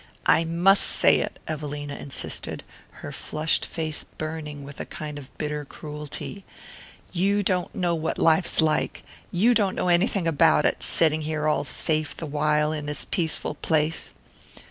"I must say it," Evelina insisted, her flushed face burning with a kind of bitter cruelty. "You don't know what life's like you don't know anything about it setting here safe all the while in this peaceful place."